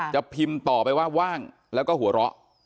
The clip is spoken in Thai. จะพิมพ์ต่อไปว่าว่างแล้วก็หัวเราะ